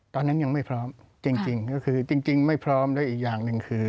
ตอนนั้นยังไม่พร้อมจริงก็คือจริงไม่พร้อมแล้วอีกอย่างหนึ่งคือ